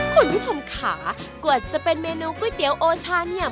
คุณผู้ชมค่ะกว่าจะเป็นเมนูก๋วยเตี๋ยวโอชาเนี่ย